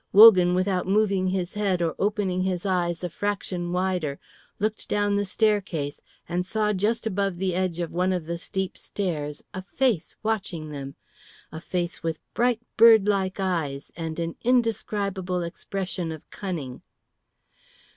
Wogan, without moving his head or opening his eyes a fraction wider, looked down the staircase and saw just above the edge of one of the steep stairs a face watching them, a face with bright, birdlike eyes and an indescribable expression of cunning.